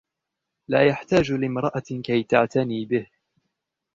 لا يحتاج لامرأة كي تعتني به.